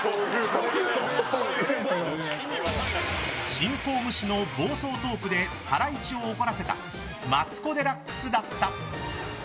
進行無視の暴走トークでハライチを怒らせたマツコ・デラックスだった。